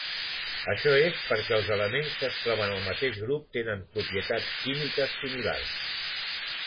Això és perquè els elements que es troben al mateix grup tenen propietats químiques similars.